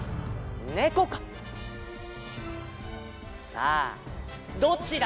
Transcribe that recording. さあどっちだ！